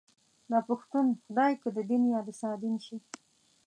داپښتون خدای که ددين يا دسادين شي